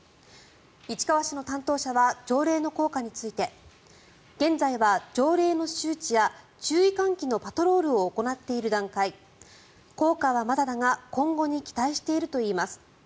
市川市の担当者は条例の効果について現在は条例の周知や注意喚起のパトロールを行っている段階効果はまだだが今後に期待しているといいます。